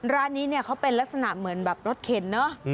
ร้านนี้เนี่ยเขาเป็นลักษณะเหมือนแบบรถเข็นเนอะ